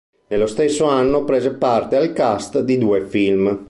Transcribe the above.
Nello stesso anno prese parte al cast di due film.